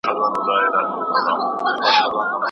زه تر هر چا در نیژدې یم نور باقي جهان ته شا که